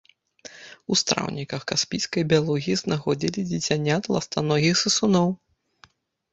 У страўніках каспійскай бялугі знаходзілі дзіцянят ластаногіх сысуноў.